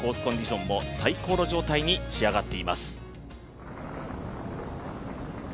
コンディションも最高の状態に仕上がっています。